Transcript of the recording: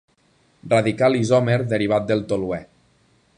Radical isòmer derivat del toluè.